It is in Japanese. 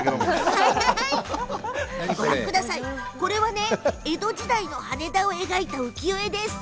これは江戸時代の羽田を描いた浮世絵です。